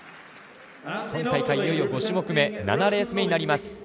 今大会いよいよ５種目め７レース目になります。